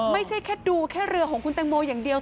ไม่ใช่แค่ดูแค่เรือของคุณแตงโมอย่างเดียว